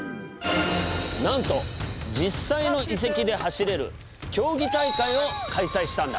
なんと実際の遺跡で走れる競技大会を開催したんだ。